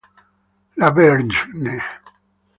La Vergne